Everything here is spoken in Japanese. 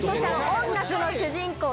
『音楽』の主人公